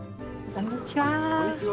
こんにちは。